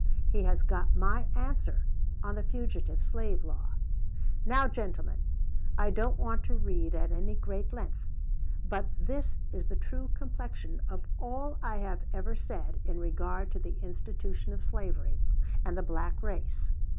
He has got my answer on the fugitive slave law. Now, gentlemen, I don't want to read at any great length; but this is the true complexion of all I have ever said in regard to the institution of slavery and the black race.